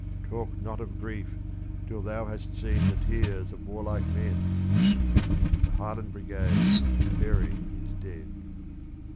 "Talk not of grief till thou hast seen the tears of warlike men!" The Highland Brigade is burying its dead.